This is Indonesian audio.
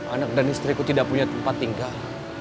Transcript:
anak dan istriku tidak punya tempat tinggal